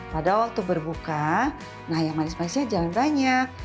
pada waktu berbuka nah yang manis manisnya jangan banyak